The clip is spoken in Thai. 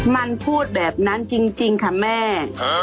มันพูดแบบนั้นจริงค่ะแม่